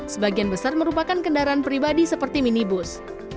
sebagian besar merupakan kendaraan pribadi seperti minibus